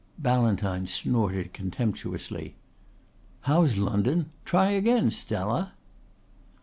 Ballantyne snorted contemptuously. "How's London? Try again, Stella!"